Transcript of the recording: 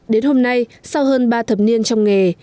đến hôm nay sau hơn ba thập niên trong nghề